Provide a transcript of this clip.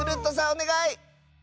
おねがい！